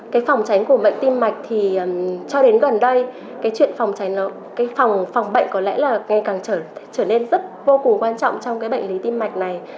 cái phòng tránh của bệnh tim mạch thì cho đến gần đây cái chuyện phòng cháy cái phòng phòng bệnh có lẽ là ngày càng trở nên rất vô cùng quan trọng trong cái bệnh lý tim mạch này